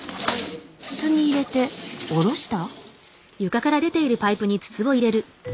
筒に入れて下ろした？